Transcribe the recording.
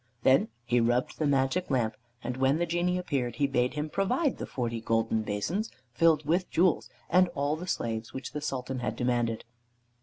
Then he rubbed the magic lamp, and when the Genie appeared, he bade him provide the forty golden basins filled with jewels, and all the slaves which the Sultan had demanded.